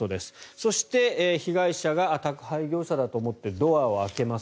そして、被害者が宅配業者だと思ってドアを開けます。